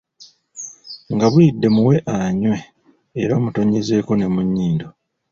Nga buyidde muwe anywe era omutonnyezeeko ne mu nnyindo.